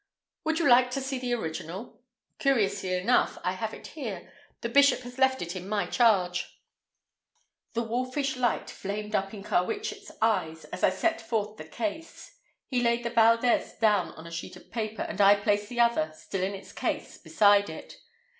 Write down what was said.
"Would you like to see the original? Curiously enough, I have it here. The bishop has left it in my charge." The wolfish light flamed up in Carwitchet's eyes as I drew forth the case. He laid the Valdez down on a sheet of paper, and I placed the other, still in its case, beside it.